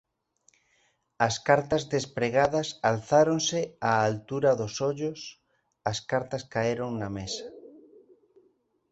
As cartas despregadas alzáronse á altura dos ollos, as cartas caeron na mesa.